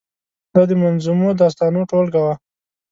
دا د منظومو داستانو ټولګه وه.